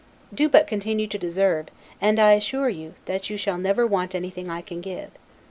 Do but continue to deserve, and, I assure you, that you shall never want anything I can give.